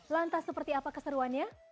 lantas seperti apa keseruannya